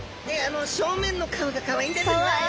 正面の顔がかわいいです。